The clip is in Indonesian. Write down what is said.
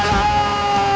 kau mau menang